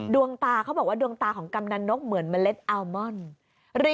ดวงตาเขาบอกว่าดวงตาของกำนันนกเหมือนเมล็ดอัลมอน